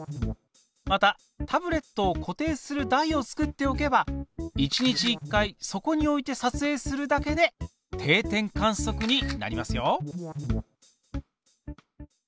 またタブレットを固定する台を作っておけば１日１回そこに置いてさつえいするだけで定点観測になりますよ！